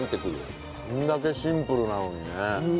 これだけシンプルなのにね。